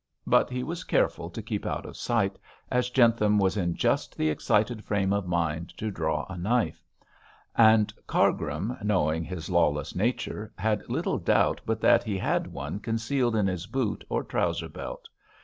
But he was careful to keep out of sight, as Jentham was in just the excited frame of mind to draw a knife: and Cargrim, knowing his lawless nature, had little doubt but that he had one concealed in his boot or trouser belt.